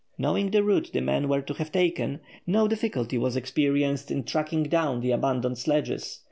Knowing the route the men were to have taken, no difficulty was experienced in tracking down the abandoned sledges.